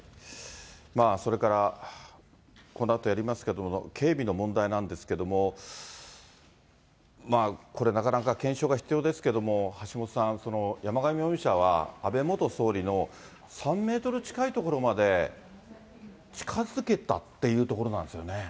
それから、このあとやりますけれども、警備の問題なんですけれども、これ、なかなか検証が必要ですけども、橋下さん、山上容疑者は、安倍元総理の３メートル近い所まで近づけたっていうところなんですよね。